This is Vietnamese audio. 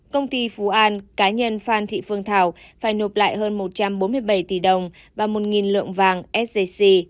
công ty phú an cá nhân phan thị phương thảo phải nộp lại hơn một trăm bốn mươi bảy tỷ đồng và một lượng vàng sjc